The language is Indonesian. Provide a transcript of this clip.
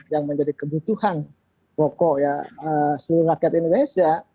yang menjadi kebutuhan pokok ya seluruh rakyat indonesia